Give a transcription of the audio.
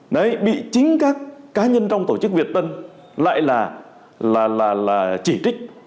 đấy bị chính các cá nhân trong tổ chức việt tân lại là chỉ trích